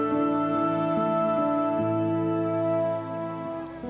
kami penuh dengan cacat mental